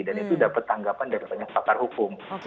dan itu dapat tanggapan dari banyak pakar hukum